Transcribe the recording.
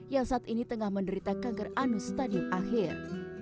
yang saat ini tengah menderita kaget anus stadium akhir